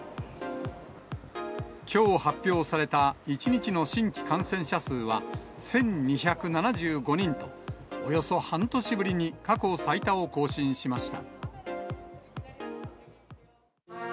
きょう発表された１日の新規感染者数は１２７５人と、およそ半年ぶりに過去最多を更新しました。